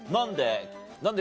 何で？